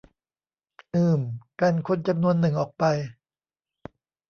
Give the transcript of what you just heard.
อืม กันคนจำนวนหนึ่งออกไป